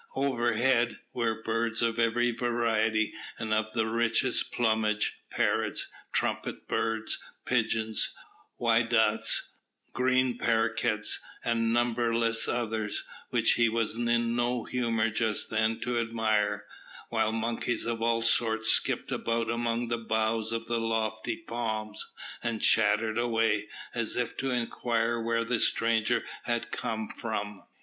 Overhead were birds of every variety, and of the richest plumage; parrots, trumpet birds, pigeons, whydahs, green paroquets, and numberless others, which he was in no humour just then to admire, while monkeys of all sorts skipped about among the boughs of the lofty palms, and chattered away, as if to inquire where the stranger had come from.